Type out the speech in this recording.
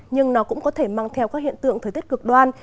nhưng nó cũng có thể mang theo các hiện tượng thời tiết cực đoan